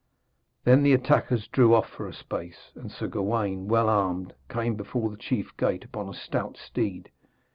Then the attackers drew off for a space, and Sir Gawaine, well armed, came before the chief gate, upon a stout steed.